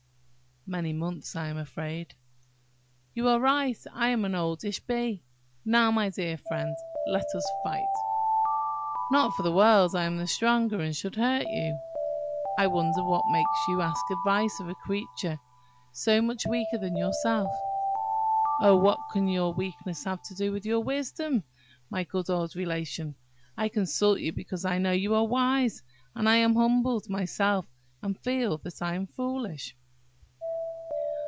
"Many months, I am afraid." "You are right, I am an oldish bee. Now, my dear friend, let us fight!" "Not for the world. I am the stronger, and should hurt you." "I wonder what makes you ask advice of a creature so much weaker than yourself?" "Oh, what can your weakness have to do with your wisdom, my good old Relation? I consult you because I know you are wise; and I am humbled myself, and feel that I am foolish."